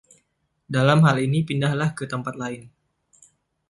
Dalam hal ini, pindahlah ke tempat lain.